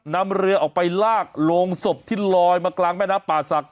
นำเรือออกไปลากโรงศพที่ลอยมากลางแม่น้ำป่าศักดิ